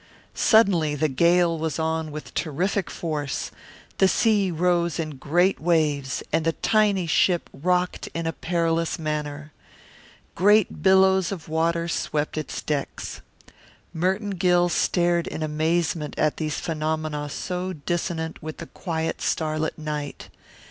Suddenly the gale was on with terrific force, the sea rose in great waves, and the tiny ship rocked in a perilous manner. Great billows of water swept its decks. Merton Gill stared in amazement at these phenomena so dissonant with the quiet starlit night.